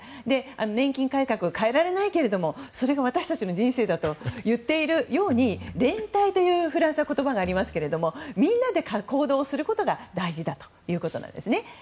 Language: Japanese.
年金改革を変えられないけれどもそれが私たちの人生だと言っているように連帯というフランスの言葉がありますがみんなで行動することが大事だということなんです。